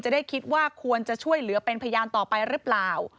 ได้คิดว่าควรจะช่วยเหลือเป็นพยานต่อไปหรือเปล่า